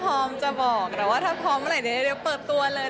พร้อมจะบอกแต่ว่าถ้าพร้อมเมื่อไหร่เดี๋ยวเปิดตัวเลย